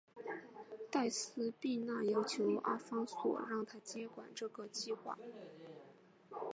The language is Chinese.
黛丝碧娜要求阿方索让她接管这个计画。